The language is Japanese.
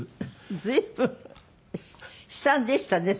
随分悲惨でしたねそれは。